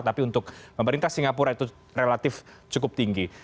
tapi untuk pemerintah singapura itu relatif cukup tinggi